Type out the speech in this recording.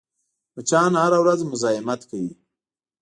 مچان هره ورځ مزاحمت کوي